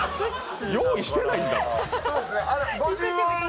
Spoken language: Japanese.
用意してないんだもん。